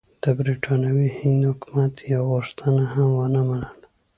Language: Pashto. د برټانوي هند حکومت یوه غوښتنه هم ونه منله.